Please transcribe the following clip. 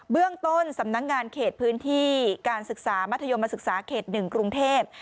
เรื่องต้นสำนักงานเขตพื้นที่การศึกษามัธยมศึกษาเขต๑กรุงเทพ